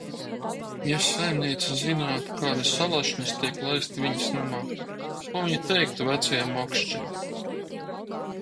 Ja saimniece zinātu, kādi salašņas tiek laisti viņas namā, ko viņa teiktu vecajam Mokšķim?